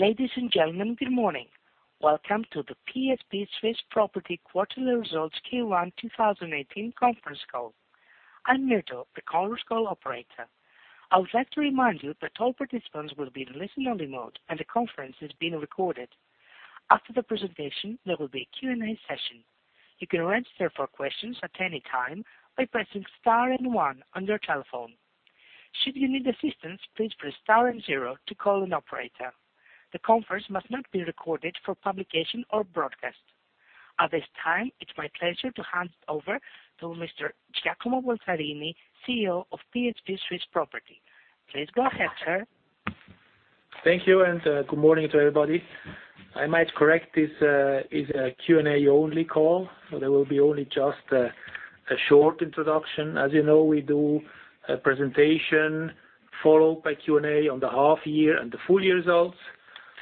Ladies and gentlemen, good morning. Welcome to the PSP Swiss Property quarterly results Q1 2018 conference call. I'm Myrtle, the conference call operator. I would like to remind you that all participants will be in listen-only mode, and the conference is being recorded. After the presentation, there will be a Q&A session. You can register for questions at any time by pressing star and one on your telephone. Should you need assistance, please press star and zero to call an operator. The conference must not be recorded for publication or broadcast. At this time, it's my pleasure to hand over to Mr. Giacomo Balzarini, CEO of PSP Swiss Property. Please go ahead, sir. Thank you. Good morning to everybody. I might correct this is a Q&A only call. There will be only just a short introduction. As you know, we do a presentation followed by Q&A on the half year and the full year results.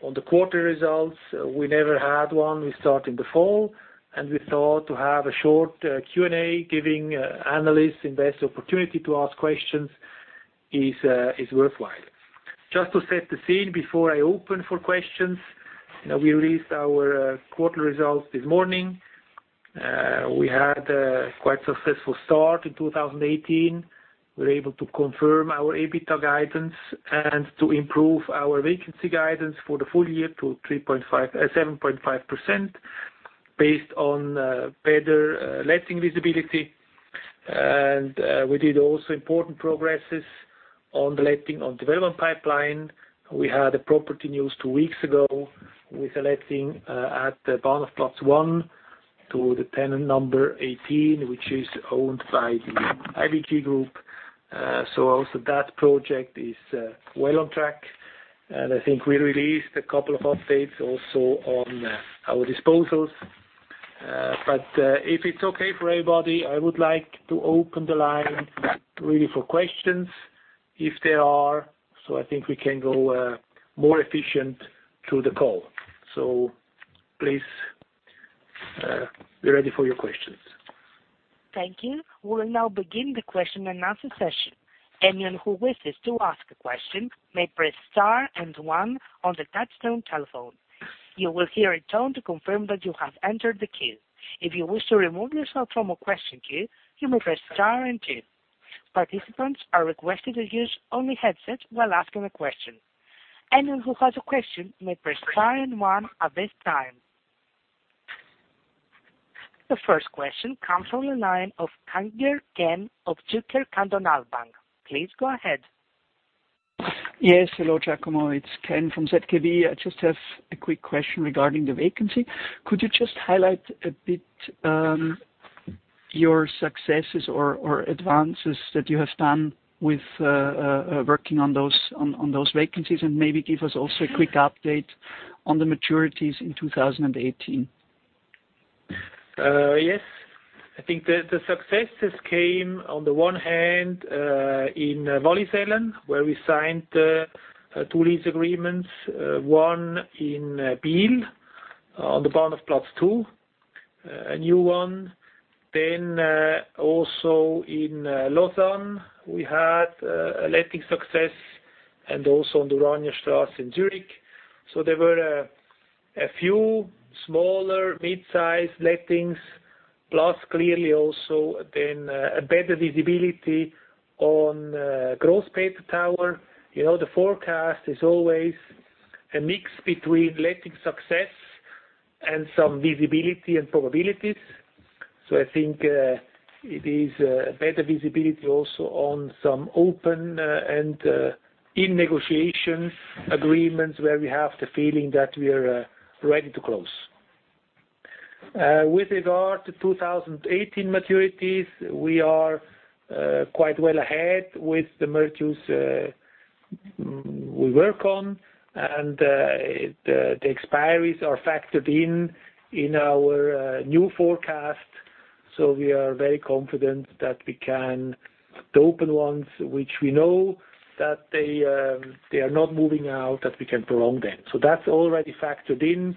On the quarter results, we never had one. We start in the fall, and we thought to have a short Q&A, giving analysts and investors the opportunity to ask questions is worthwhile. Just to set the scene before I open for questions, we released our quarter results this morning. We had a quite successful start in 2018. We're able to confirm our EBITDA guidance and to improve our vacancy guidance for the full year to 7.5%, based on better letting visibility. We did also important progresses on the letting of development pipeline. We had a property news two weeks ago with a letting at Bahnhofplatz One to the tenant Number 18, which is owned by the IWG Group. Also that project is well on track, and I think we released a couple of updates also on our disposals. If it's okay for everybody, I would like to open the line really for questions, if there are. I think we can go more efficient through the call. Please be ready for your questions. Thank you. We will now begin the question and answer session. Anyone who wishes to ask a question may press Star and one on the touchtone telephone. You will hear a tone to confirm that you have entered the queue. If you wish to remove yourself from a question queue, you may press Star and two. Participants are requested to use only headsets while asking a question. Anyone who has a question may press Star and one at this time. The first question comes from the line of Ken Kagerer of Zürcher Kantonalbank. Please go ahead. Yes, hello, Giacomo. It's Ken from ZKB. I just have a quick question regarding the vacancy. Could you just highlight a bit your successes or advances that you have done with working on those vacancies and maybe give us also a quick update on the maturities in 2018? Yes. I think the successes came on the one hand in Wallisellen, where we signed two lease agreements, one in Biel on the Bahnhofplatz 2, a new one. Also in Lausanne, we had a letting success, and also on the Rainstrasse in Zurich. There were a few smaller mid-size lettings, plus clearly also then a better visibility on Grossmünster Tower. The forecast is always a mix between letting success and some visibility and probabilities. I think it is a better visibility also on some open and in-negotiation agreements where we have the feeling that we are ready to close. With regard to 2018 maturities, we are quite well ahead with the mergers we work on, and the expiries are factored in our new forecast. We are very confident that we can, the open ones, which we know that they are not moving out, that we can prolong them. That's already factored in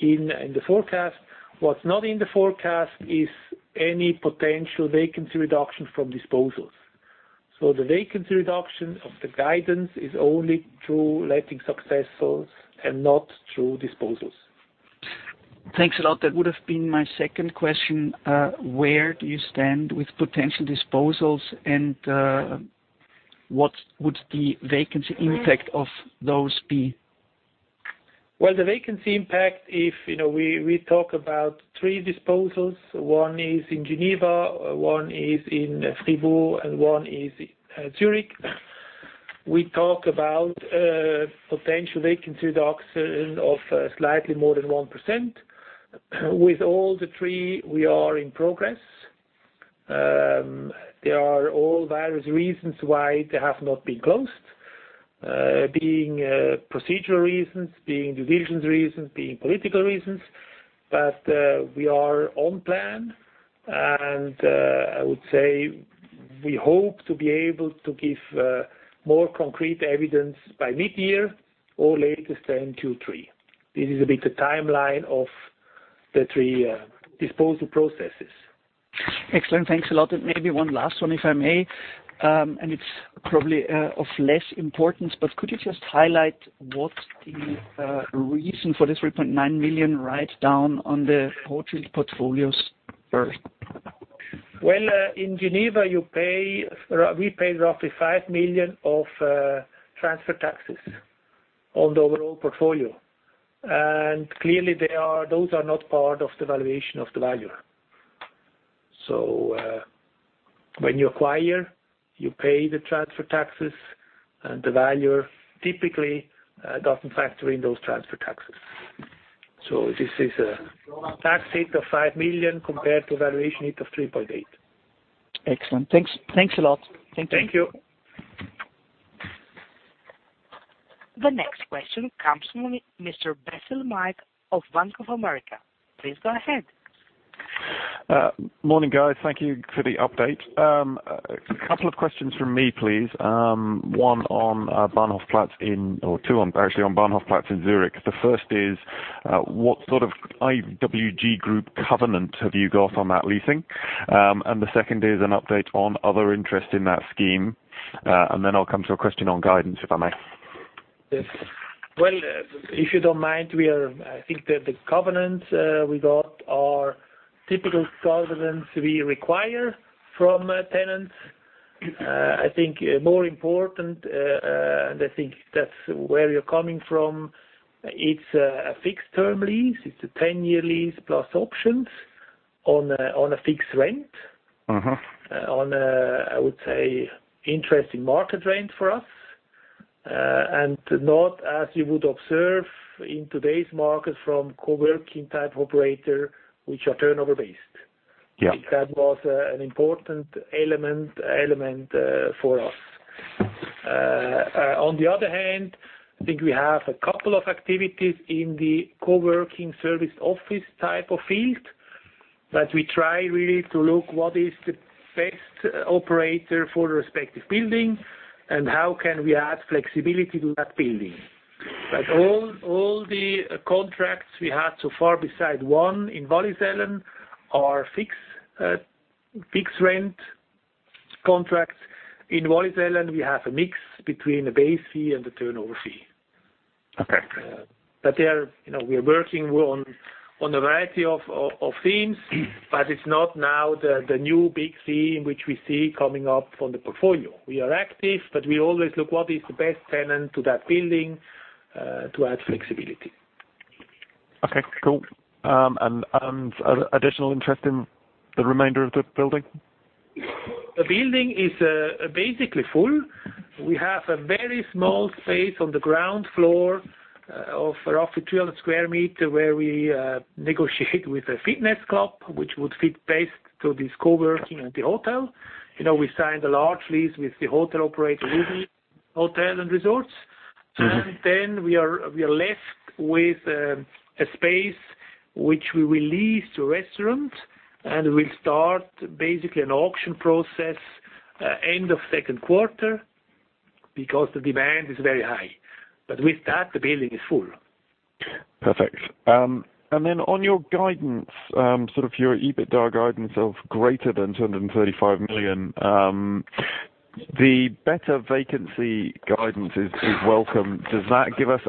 the forecast. What's not in the forecast is any potential vacancy reduction from disposals. The vacancy reduction of the guidance is only through letting successes and not through disposals. Thanks a lot. That would have been my second question. Where do you stand with potential disposals, and what would the vacancy impact of those be? Well, the vacancy impact, if we talk about three disposals, one is in Geneva, one is in Fribourg, and one is Zurich. We talk about potential vacancy reduction of slightly more than 1%. With all the three, we are in progress. There are all various reasons why they have not been closed, being procedural reasons, being decision reasons, being political reasons. We are on plan, and I would say we hope to be able to give more concrete evidence by mid-year or latest end Q3. This is a bit the timeline of the three disposal processes. Excellent. Thanks a lot. Maybe one last one, if I may, it's probably of less importance, could you just highlight what the reason for the 3.9 million write-down on the real estate portfolios were? Well, in Geneva, we paid roughly 5 million of transfer taxes on the overall portfolio. Clearly, those are not part of the valuation of the valuer. When you acquire, you pay the transfer taxes, the valuer typically doesn't factor in those transfer taxes. This is a tax hit of 5 million compared to a valuation hit of 3.8. Excellent. Thanks a lot. Thank you. The next question comes from Mr. Basil Mike of Bank of America. Please go ahead. Morning, guys. Thank you for the update. A couple of questions from me, please. Two on Bahnhofplatz in Zurich. The first is, what sort of IWG Group covenant have you got on that leasing? The second is an update on other interest in that scheme. I'll come to a question on guidance, if I may. Yes. Well, if you don't mind, I think that the covenants we got are typical covenants we require from tenants. I think more important, I think that's where you're coming from, it's a fixed-term lease. It's a 10-year lease plus options on a fixed rent. I would say, interesting market rent for us. Not as you would observe in today's market from co-working type operator, which are turnover-based. Yeah. That was an important element for us. On the other hand, I think we have a couple of activities in the co-working service office type of field, we try really to look what is the best operator for the respective building and how can we add flexibility to that building. All the contracts we had so far, beside one in Wallisellen, are fixed rent contracts. In Wallisellen, we have a mix between a base fee and a turnover fee. Okay. We are working on a variety of themes, it's not now the new big theme which we see coming up from the portfolio. We are active, we always look what is the best tenant to that building to add flexibility. Okay, cool. Additional interest in the remainder of the building? The building is basically full. We have a very small space on the ground floor of roughly 300 square meter, where we negotiate with a fitness club, which would fit best to this co-working at the hotel. We signed a large lease with the hotel operator, Ruby Hotels and Resorts. We are left with a space which we will lease to a restaurant, and we'll start basically an auction process end of second quarter because the demand is very high. With that, the building is full. Perfect. On your guidance, your EBITDA guidance of greater than 235 million, the better vacancy guidance is welcome. Does that give us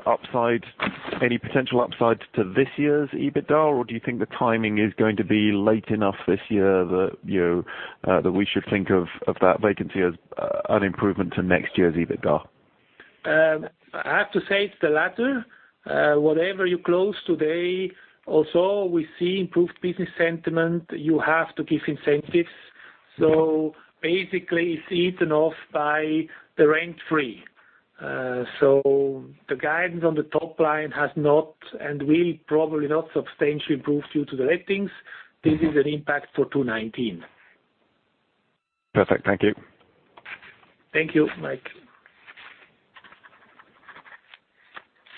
any potential upsides to this year's EBITDA, or do you think the timing is going to be late enough this year that we should think of that vacancy as an improvement to next year's EBITDA? I have to say it's the latter. Whatever you close today, also, we see improved business sentiment. You have to give incentives. Basically, it's eaten off by the rent-free. The guidance on the top line has not, and will probably not substantially improve due to the lettings. This is an impact for 2019. Perfect. Thank you. Thank you, Mike.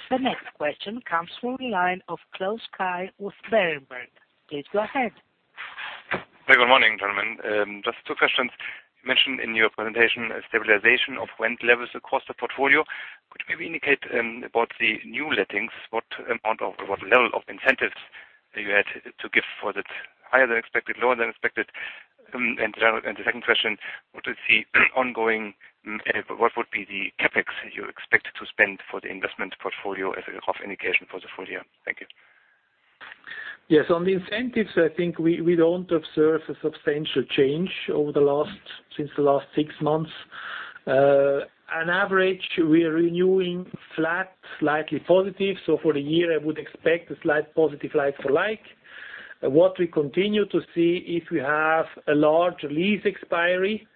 The next question comes from the line of Kai Klose with Berenberg. Please go ahead. Good morning, gentlemen. Just two questions. You mentioned in your presentation a stabilization of rent levels across the portfolio. Could you maybe indicate about the new lettings, what level of incentives you had to give for that? Higher than expected, lower than expected? The second question, what would be the CapEx you expect to spend for the investment portfolio as a rough indication for the full year? Thank you. Yes. On the incentives, I think we don't observe a substantial change since the last six months. On average, we are renewing flat, slightly positive. For the year, I would expect a slight positive like-for-like. What we continue to see, if we have a large lease expiry,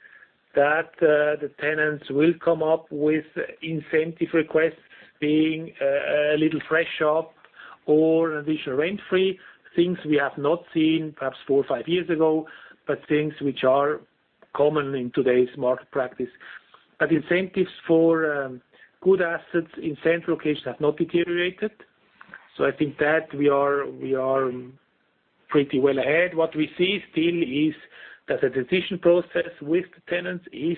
that the tenants will come up with incentive requests being a little fresh up or an additional rent-free. Things we have not seen perhaps four or five years ago, but things which are common in today's market practice. Incentives for good assets in central locations have not deteriorated. I think that we are pretty well ahead. What we see still is that the decision process with the tenants is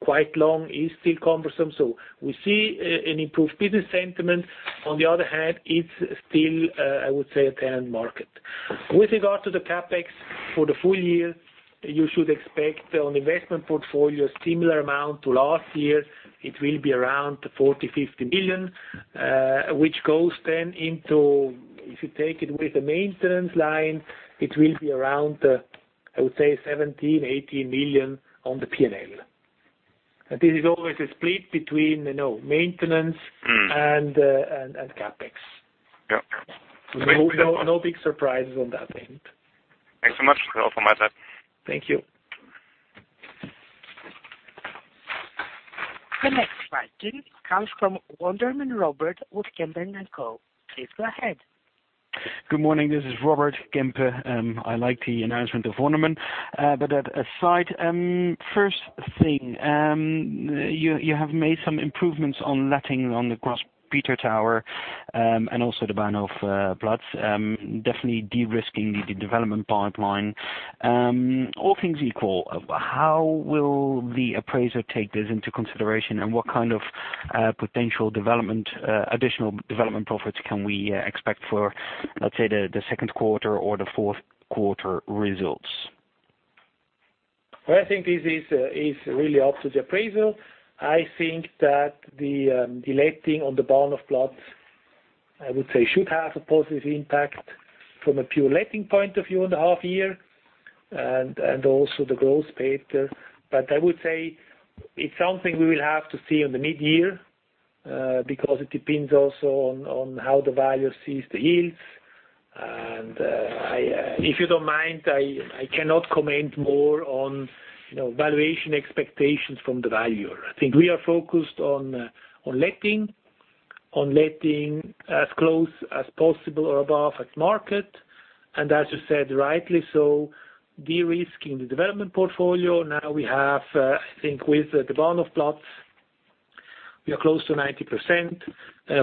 quite long, it's still cumbersome. We see an improved business sentiment. On the other hand, it's still, I would say, a tenant market. With regard to the CapEx for the full year, you should expect on investment portfolio, a similar amount to last year. It will be around 40, 50 million, which goes then into, if you take it with the maintenance line, it will be around, I would say 17, 18 million on the P&L. This is always a split between maintenance and CapEx. Yeah. No big surprises on that end. Thanks so much. That's all from my side. Thank you. The next question comes from Robert Camp with Kempen & Co. Please go ahead. Good morning. This is Robert Camp. I like the announcement of Wonderman, but that aside. First thing, you have made some improvements on letting on the Grossmünster and also the Bahnhofplatz, definitely de-risking the development pipeline. All things equal, how will the appraiser take this into consideration? What kind of potential additional development profits can we expect for, let's say, the second quarter or the fourth quarter results? Well, I think this is really up to the appraisal. I think that the letting on the Bahnhofplatz, I would say, should have a positive impact from a pure letting point of view on the half year and also the Grossmünster. I would say it's something we will have to see on the mid-year, because it depends also on how the valuer sees the yields. If you don't mind, I cannot comment more on valuation expectations from the valuer. I think we are focused on letting as close as possible or above at market. As you said, rightly so, de-risking the development portfolio. Now we have, I think with the Bahnhofplatz, we are close to 90%.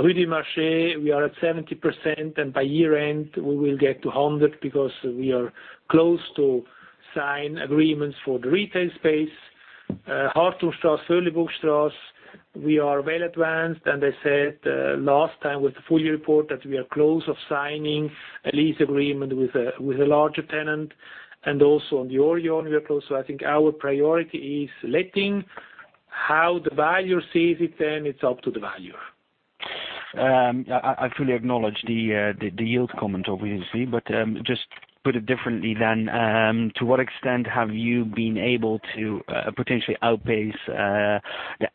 Rue du Marché, we are at 70%. By year-end, we will get to 100 because we are close to sign agreements for the retail space. Häusernstrasse, Holligenstrasse, we are well advanced. I said last time with the full year report, that we are close of signing a lease agreement with a larger tenant. Also on the Orion, we are close. I think our priority is letting. How the valuer sees it, then it's up to the valuer. I fully acknowledge the yield comment, obviously. Just put it differently then. To what extent have you been able to potentially outpace the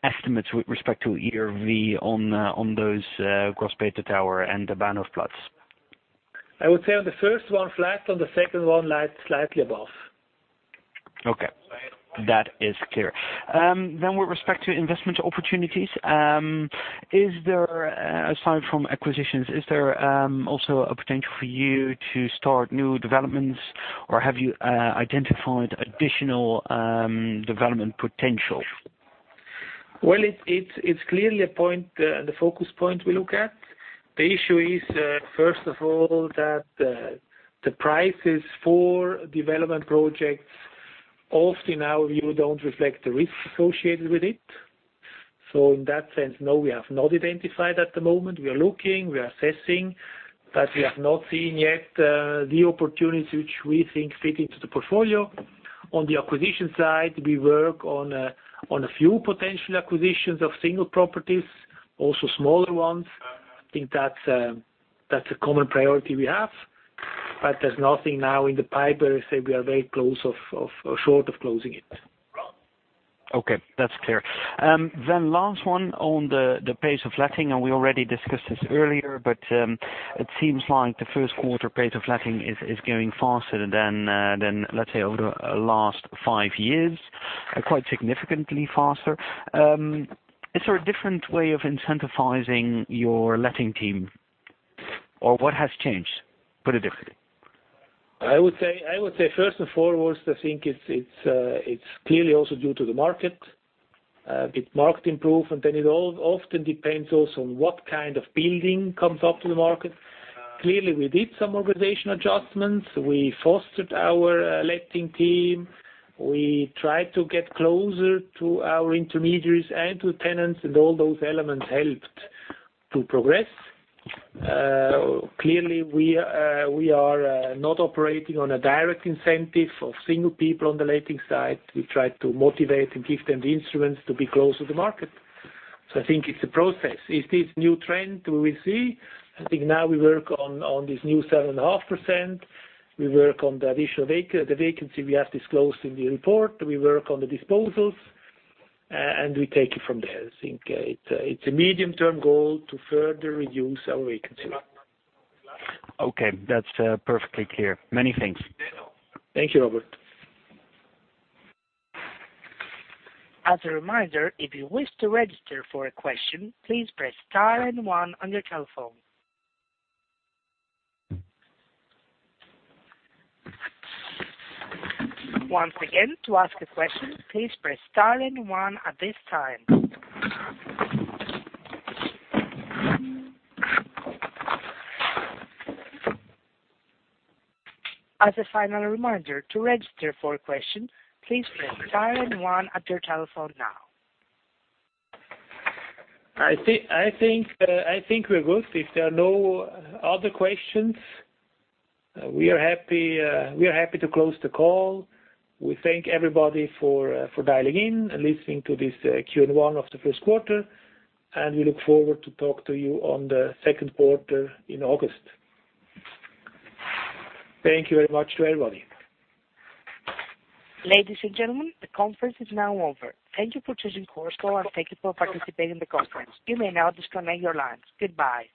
estimates with respect to ERV on those Grossmünster and the Bahnhofplatz? I would say on the first one, flat. On the second one, slightly above. Okay. That is clear. With respect to investment opportunities, aside from acquisitions, is there also a potential for you to start new developments or have you identified additional development potential? Well, it is clearly a point, the focus point we look at. The issue is, first of all, that the prices for development projects often now don't reflect the risk associated with it. In that sense, no, we have not identified at the moment. We are looking, we are assessing, but we have not seen yet the opportunities which we think fit into the portfolio. On the acquisition side, we work on a few potential acquisitions of single properties, also smaller ones. I think that is a common priority we have. There is nothing now in the pipe where I say we are very close of short of closing it. Okay, that is clear. Last one on the pace of letting. We already discussed this earlier, but it seems like the first quarter pace of letting is going faster than, let's say, over the last five years, quite significantly faster. Is there a different way of incentivizing your letting team? What has changed? Put it differently. I would say, first and foremost, I think it is clearly also due to the market, bit market improvement. It often depends also on what kind of building comes up to the market. Clearly, we did some organization adjustments. We fostered our letting team. We tried to get closer to our intermediaries and to tenants. All those elements helped to progress. Clearly, we are not operating on a direct incentive of single people on the letting side. We try to motivate and give them the instruments to be close to the market. I think it is a process. Is this new trend we will see? I think now we work on this new 7.5%. We work on the additional vacancy we have disclosed in the report. We work on the disposals. We take it from there. I think it is a medium-term goal to further reduce our vacancy. Okay, that is perfectly clear. Many thanks. Thank you, Robert. As a reminder, if you wish to register for a question, please press * and one on your telephone. Once again, to ask a question, please press * and one at this time. As a final reminder, to register for a question, please press * and one at your telephone now. I think we're good. If there are no other questions, we are happy to close the call. We thank everybody for dialing in and listening to this Q1 of the first quarter, and we look forward to talk to you on the second quarter in August. Thank you very much to everybody. Ladies and gentlemen, the conference is now over. Thank you for choosing Chorus Call, and thank you for participating in the conference. You may now disconnect your lines. Goodbye.